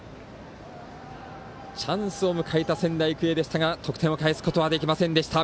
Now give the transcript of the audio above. チャンスを迎えた仙台育英でしたが得点を返すことはできませんでした。